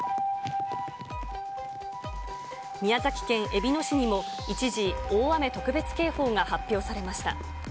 宮崎県えびの市にも一時、大雨特別警報が発表されました。